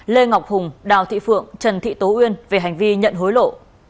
lê ngọc hùng đào thị phượng trần thị tố uyên về hành vi nhận hối lộ